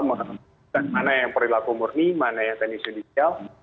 mana yang perlaku murni mana yang teknis jisial